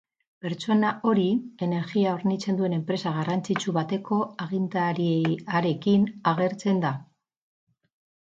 Pertsona hori energia hornitzen duen enpresa garrantzitsu bateko agiriarekin agertzen da.